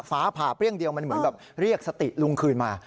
ฟ้าผ่าเปรี้ยงเดียวมันเหมือนแบบเรียกสติลุงคืนมา